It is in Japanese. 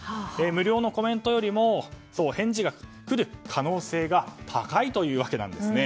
無料のコメントよりも返事が来る可能性が高いというわけなんですね。